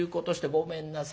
ごめんなさい。